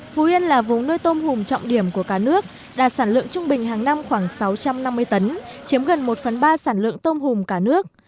phú yên là vùng nuôi tôm hùm trọng điểm của cả nước đạt sản lượng trung bình hàng năm khoảng sáu trăm năm mươi tấn chiếm gần một phần ba sản lượng tôm hùm cả nước